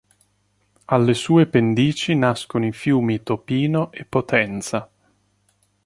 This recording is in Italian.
Alle sue pendici nascono i fiumi Topino e Potenza.